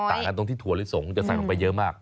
ต่างกันตรงที่ถั่วลิสงจะใส่ลงไปเยอะมาก